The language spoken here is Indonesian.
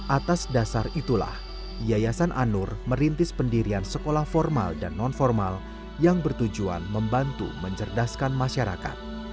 atas dasar itulah yayasan anur merintis pendirian sekolah formal dan non formal yang bertujuan membantu mencerdaskan masyarakat